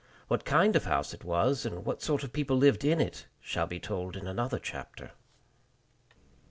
What kind of house it was, and what sort of people lived in it, shall be told in another chapter.